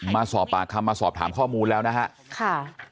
มาสอบปากคำมาสอบถามข้อมูลแล้วนะฮะค่ะ